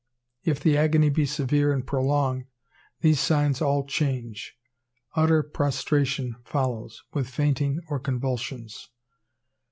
If the agony be severe and prolonged, these signs all change; utter prostration follows, with fainting or convulsions.